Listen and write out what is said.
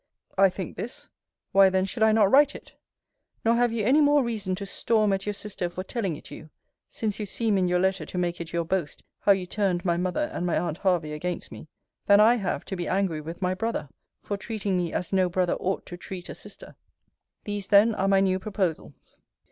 I think this; why then should I not write it? Nor have you any more reason to storm at your sister for telling it you, (since you seem in your letter to make it your boast how you turned my mother and my aunt Hervey against me,) than I have to be angry with my brother, for treating me as no brother ought to treat a sister. These, then, are my new proposals.